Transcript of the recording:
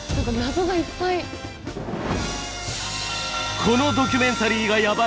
「このドキュメンタリーがヤバい！